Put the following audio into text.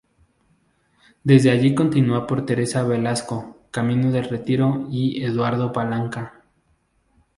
Desde allí, continúa por Teresa Blasco, Camino del Retiro y Eduardo Palanca.